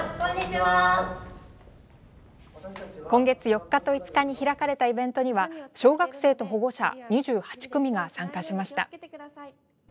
今月４日と５日に開かれたイベントには小学生と保護者２８組が参加しました。